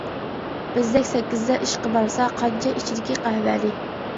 بىزدەك سەككىزدە ئىشقا بارسا قانچە ئىچىدىكى قەھۋەنى.